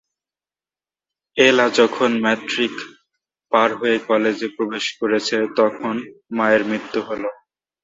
এলা যখন ম্যাট্রিক পার হয়ে কলেজে প্রবেশ করেছে তখন মায়ের মৃত্যু হল।